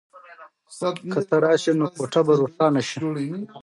که ته راشې نو کوټه به روښانه شي.